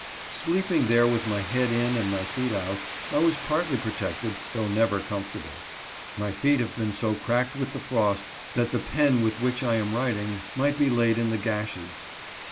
Sleeping there with my head in and my feet out, I was partly protected, though never com fortable. My feet have been so cracked with the frost 86 MISS LUCRETIA. that the pen with which I am writing might be laid in the gashes.